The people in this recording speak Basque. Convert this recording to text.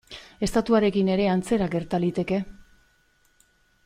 Estatuarekin ere antzera gerta liteke.